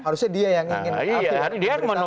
harusnya dia yang ingin